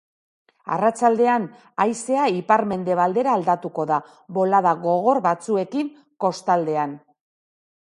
Arratsaldean haizea ipar-mendebaldera aldatuko da bolada gogor batzuekin kostaldean.